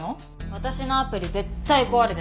私のアプリ絶対壊れてます。